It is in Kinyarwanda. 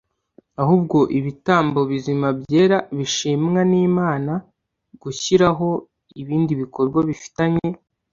ahubwo ibitambo bizima byera bishimwa nImana Gushyiraho ibindi bikorwa bifitanye